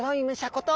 こと